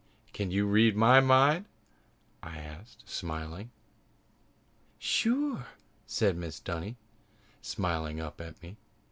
"Can you read my mind?" I asked, smiling. "Sure!" said Mrs. Dunny, smiling up at me.